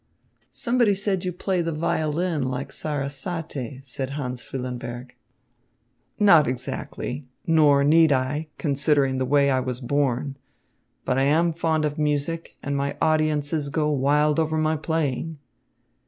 "Somebody said you play the violin like Sarasate," said Hans Füllenberg. "Not exactly. Nor need I, considering the way I was born. But I am fond of music and my audiences go wild over my playing."